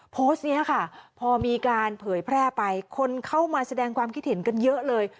โพสต์นี้ค่ะพอมีการเผยแพร่ไปคนเข้ามาแสดงความคิดเห็นกันเยอะเลย